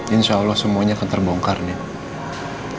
insya allah semuanya akan terbongkar nih